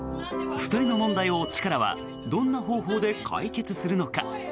２人の問題を、チカラはどんな方法で解決するのか？